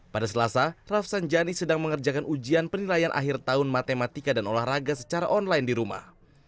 pada selasa rafsan jani sedang mengerjakan ujian penilaian akhir tahun matematika dan olahraga secara online di rumah